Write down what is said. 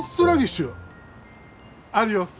あるよ。